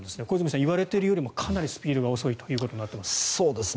小泉さん、言われているよりもかなりスピードが遅いということになっています。